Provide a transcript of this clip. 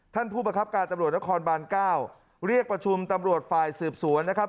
ท่านผู้ประคับการตำรวจนครบานเก้าเรียกประชุมตำรวจฝ่ายสืบสวนนะครับ